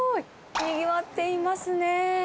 にぎわっていますねー。